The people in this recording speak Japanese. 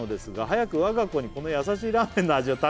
「早く我が子にこの優しいラーメンの味を」